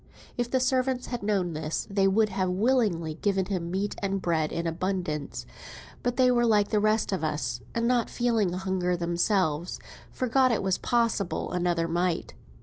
If the servants had known this, they would have willingly given him meat and bread in abundance; but they were like the rest of us, and not feeling hunger themselves, forgot it was possible another might.